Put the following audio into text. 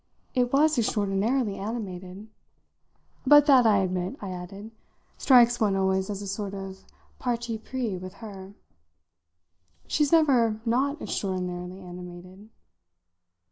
It was extraordinarily animated. But that, I admit," I added, "strikes one always as a sort of parti pris with her. She's never not extraordinarily animated."